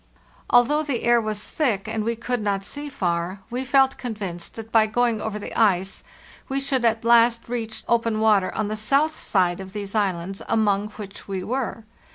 Although the air was thick and we could not see far, we felt convinced that by going over the ice we should at last reach open water on the south side of these islands among which we were.